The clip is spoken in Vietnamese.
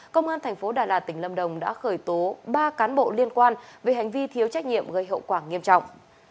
công an tp đà lạt tỉnh lâm đồng đã khởi tố ba cán bộ liên quan về hành vi thiếu trách nhiệm gây hậu quả nghiêm trọng